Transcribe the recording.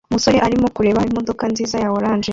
Umusore arimo kureba imodoka nziza ya orange